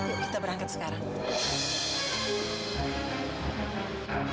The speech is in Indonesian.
yuk kita berangkat sekarang